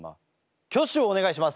挙手をお願いします。